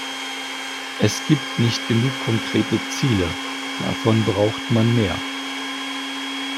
Es gibt nicht genug konkrete Ziele, davon braucht man mehr.